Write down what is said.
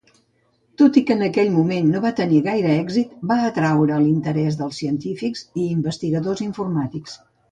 Tot i que en aquell moment no ve tenir gaire èxit, va atreure l'interès dels científics i investigadors informàtics.